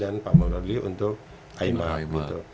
dan pak maruli untuk imap